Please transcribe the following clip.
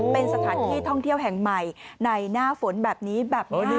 เป็นสถานที่ท่องเที่ยวแห่งใหม่ในหน้าฝนแบบนี้แบบนี้